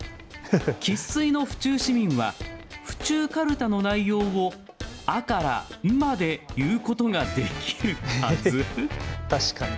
生っ粋の府中市民は府中かるたの内容をあ、からん、まで言うことができるはず？